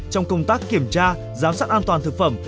trong công tác kiểm tra giám sát an toàn thực phẩm